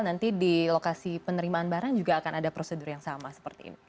nanti di lokasi penerimaan barang juga akan ada prosedur yang sama seperti ini